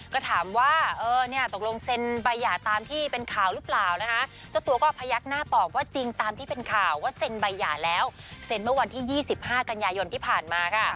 ก็ถามว่าเออเนี่ยตกลงเซ็นใบหย่าตามที่เป็นข่าวหรือเปล่านะคะเจ้าตัวก็พยักหน้าตอบว่าจริงตามที่เป็นข่าวว่าเซ็นใบหย่าแล้วเซ็นเมื่อวันที่๒๕กันยายนที่ผ่านมาค่ะ